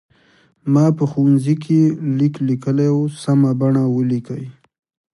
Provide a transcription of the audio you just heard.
ما په ښوونځي کې لیک لیکلی و سمه بڼه ولیکئ.